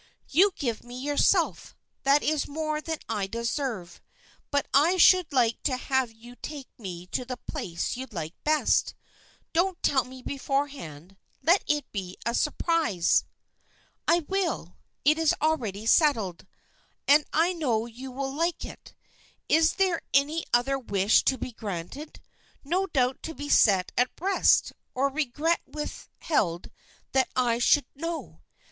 "You give me yourself, that is more than I deserve. But I should like to have you take me to the place you like best. Don't tell me beforehand, let it be a surprise." "I will, it is already settled, and I know you will like it. Is there no other wish to be granted, no doubt to be set at rest, or regret withheld that I should know?